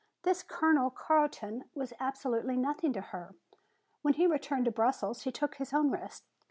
This Colonel Carton was absolutely nothing to her. When he returned to Brussels he took his own risk.